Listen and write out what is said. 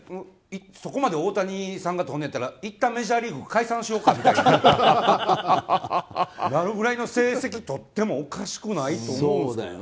そこまで大谷さんがとっていったらいったんメジャーリーグ解散しようかみたいになるぐらいの成績とってもおかしくないと思う。